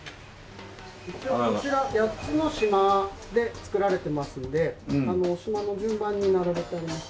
一応こちら８つの島で作られてますんで島の順番に並べてあります。